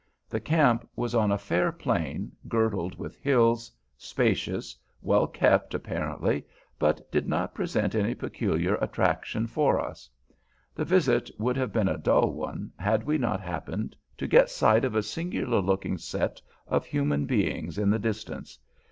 The camp was on a fair plain, girdled with hills, spacious, well kept apparently, but did not present any peculiar attraction for us. The visit would have been a dull one, had we not happened to get sight of a singular looking set of human beings in the distance.